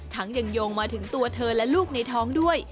ยังโยงมาถึงตัวเธอและลูกในท้องด้วย